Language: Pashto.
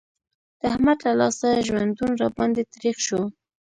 د احمد له لاسه ژوندون را باندې تريخ شو.